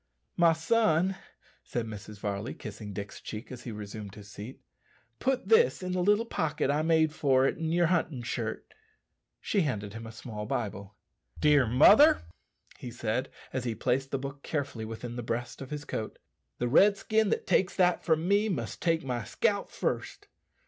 "My son," said Mrs. Varley, kissing Dick's cheek as he resumed his seat, "put this in the little pocket I made for it in your hunting shirt." She handed him a small pocket Bible. "Dear mother," he said, as he placed the book carefully within the breast of his coat, "the Redskin that takes that from me must take my scalp first.